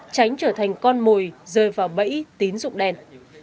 tránh trở thành con mồi rơi vào bẫy tín dụng đen